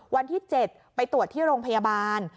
วันที่๗ไปตรวจที่โรงพยาบาล